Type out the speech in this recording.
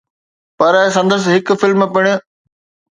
پر سندس هڪ فلم پڻ